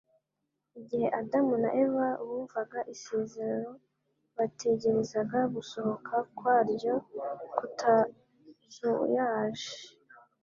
Igihe Adamu na Eva bumvaga isezerano, bategerezaga gusohora kwa ryo kutazuyaje.